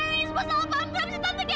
semua salah panggilan si tante